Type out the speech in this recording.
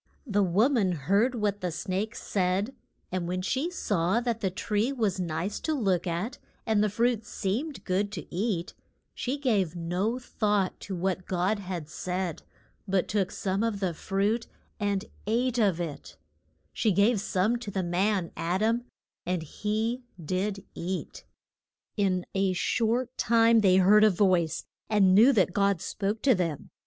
The wo man heard what the snake said, and when she saw that the tree was nice to look at and the fruit seemed good to eat, she gave no thought to what God had said, but took some of the fruit and ate of it; she gave some to the man, Ad am, and he did eat. In a short time they heard a voice, and knew that God spoke to them.